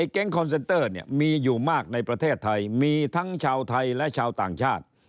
แก๊งคอนเซนเตอร์เนี่ยมีอยู่มากในประเทศไทยมีทั้งชาวไทยและชาวต่างชาติ